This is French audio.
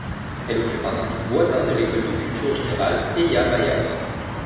Elle occupe un site voisin de l'École de culture générale Ella-Maillart.